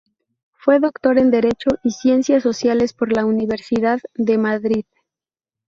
Fue doctor en Derecho y Ciencias Sociales por la Universidad de Madrid.